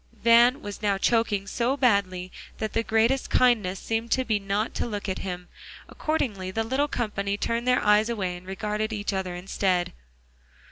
Van was now choking so badly that the greatest kindness seemed to be not to look at him. Accordingly the little company turned their eyes away, and regarded each other instead.